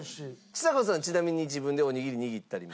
ちさ子さんはちなみに自分でおにぎり握ったりも。